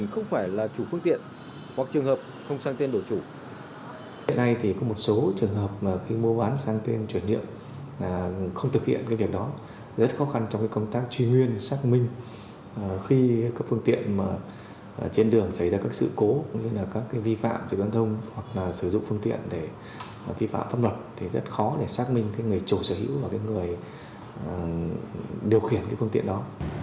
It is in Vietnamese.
khi các phương tiện trên đường xảy ra các sự cố các vi phạm từ gắn thông hoặc sử dụng phương tiện để vi phạm pháp luật thì rất khó để xác minh người chủ sở hữu và người điều khiển phương tiện đó